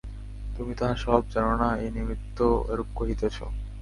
তুমি তাহার স্বভাব জান না এই নিমিত্ত এরূপ কহিতেছ।